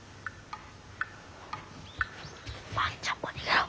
万ちゃんも逃げろ。